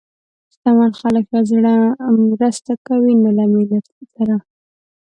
شتمن خلک له زړه مرسته کوي، نه له منت سره.